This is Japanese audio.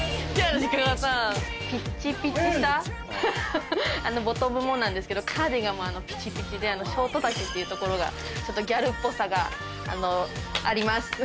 ピッチピチしたボトムもなんですけどカーディガンもピチピチでショート丈っていうところがギャルっぽさがあります。